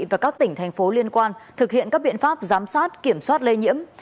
và các tỉnh thành phố liên quan thực hiện các biện pháp giám sát kiểm soát lây nhiễm